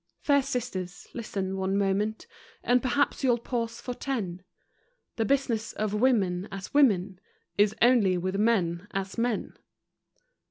Fair sisters, listen one moment And perhaps you'll pause for ten: The business of women as women Is only with men as men!